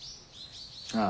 ああ。